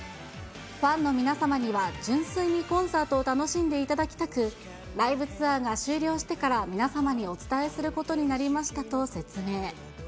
ファンの皆様には純粋にコンサートを楽しんでいただきたく、ライブツアーが終了してから皆様にお伝えすることになりましたと説明。